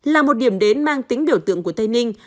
là một điểm đến mang tính biểu tượng của tây ninh